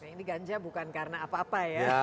ini ganja bukan karena apa apa ya